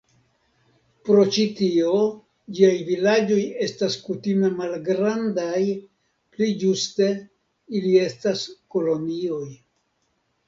Pro ĉi tio, ĝiaj vilaĝoj estas kutime malgrandaj, pli ĝuste ili estas kolonioj.